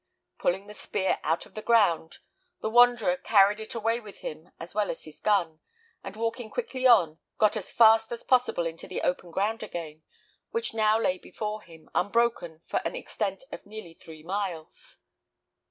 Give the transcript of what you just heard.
Pulling the spear out of the ground, the wanderer carried it away with him as well as his gun, and walking quickly on, got as fast as possible into the open ground again, which now lay before him, unbroken for an extent of nearly three miles.